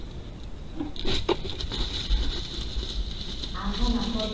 アホなこと。